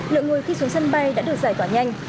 lượng người khi xuống sân bay đã được giải tỏa nhanh